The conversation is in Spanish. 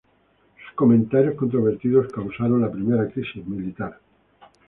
Sus comentarios controvertidos causaron la primera crisis militar.